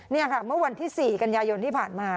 นี่ค่ะเมื่อวันที่๔กันยายนที่ผ่านมา